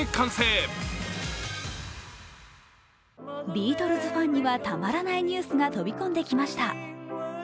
ビートルズファンにはたまらないニュースが飛び込んできました。